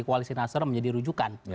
koalisi nasional menjadi rujukan